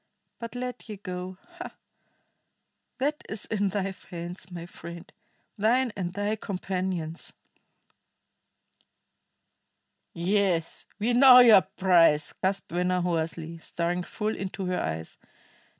But let ye go ha! That is in thy hands, my friend, thine and thy companions." "Yes, we know your price!" gasped Venner hoarsely, staring full into her eyes.